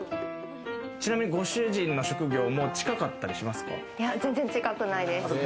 ちなみにご主人の職業も近かったりしますか？